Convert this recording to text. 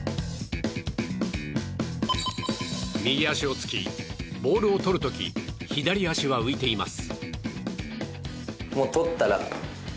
右足をつき、ボールをとる時左足は浮いています。